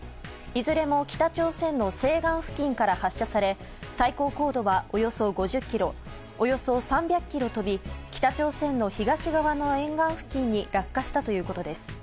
いずれも北朝鮮の西岸付近から発射され最高高度はおよそ５０ｋｍおよそ３００ｋｍ飛び北朝鮮の東側の沿岸付近に落下したということです。